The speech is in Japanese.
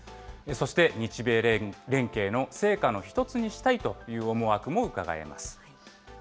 そして日米連携の成果の一つにしたいという思惑もうかがえます。